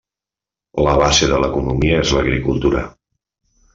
La base de l'economia és l'agricultura.